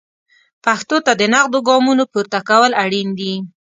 پښتو ته د نغدو ګامونو پورته کول اړین دي.